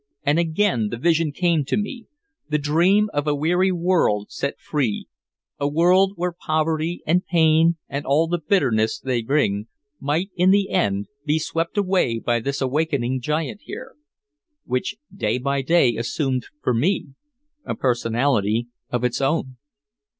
And again the vision came to me, the dream of a weary world set free, a world where poverty and pain and all the bitterness they bring might in the end be swept away by this awakening giant here which day by day assumed for me a personality of its own.